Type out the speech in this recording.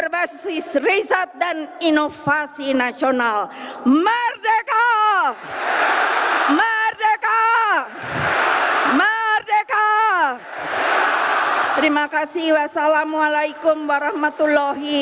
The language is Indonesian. berbasis riset dan inovasi nasional merdeka merdeka merdeka terima kasih wassalamualaikum warahmatullahi wabarakatuh